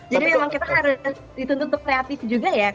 jadi memang kita harus dituntut untuk kreatif juga ya